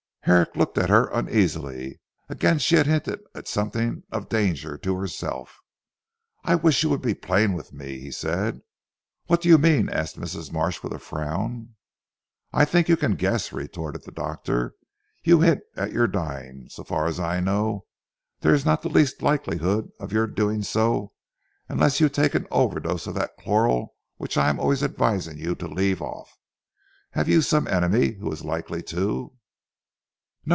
Herrick looked at her uneasily. Again she had hinted at something of danger to herself. "I wish you would be plain with me," he said. "What do you mean?" asked Mrs. Marsh with a frown. "I think you can guess," retorted the doctor. "You hint at your dying; so far as I know there is not the least likelihood of your doing so unless you take an overdose of that chloral which I am always advising you to leave off. Have you some enemy who is likely to " "No!"